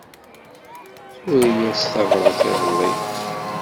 Tura-yas tabrat iḍelli.